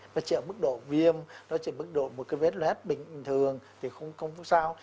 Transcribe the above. nó chỉ ở mức độ viêm nó chỉ ở mức độ một cái vết lét bình thường thì không sao